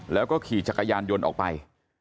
แล้วก็ขี่จักรยานยนต์ออกไป